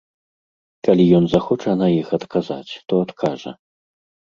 Калі ён захоча на іх адказаць, то адкажа.